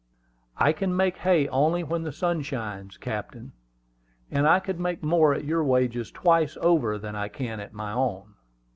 "I can make hay only when the sun shines, captain; and I could make more at your wages twice over than I can at my own.